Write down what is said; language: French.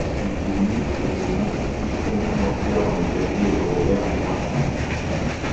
Il fut ministre des institutions financières dans le cabinet de Robert Bourassa.